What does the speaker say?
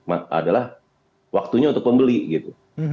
adalah waktunya untuk pembeli gitu